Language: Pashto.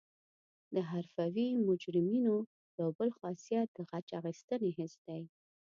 د حرفوي مجرمینو یو بل خاصیت د غچ اخیستنې حس دی